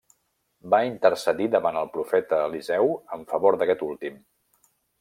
Va intercedir davant el profeta Eliseu en favor d'aquest últim.